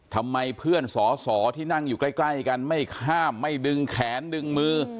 ทำไมเพื่อนสอสอที่นั่งอยู่ใกล้กันไม่ข้ามไม่ดึงแขนดึงมือ